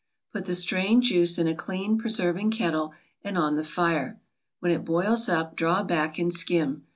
Put the strained juice in a clean preserving kettle and on the fire. When it boils up, draw back and skim.